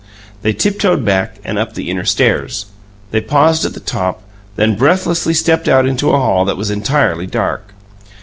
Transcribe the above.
They tiptoed back, and up the inner stairs. They paused at the top, then breathlessly stepped out into a hall that was entirely dark.